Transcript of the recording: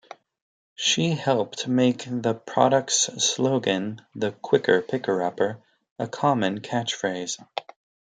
She helped make the product's slogan, "the quicker picker upper", a common catchphrase.